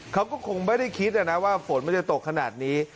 เขาก็คงไม่ได้คิดนะว่าฝนมันจะตกขนาดนี้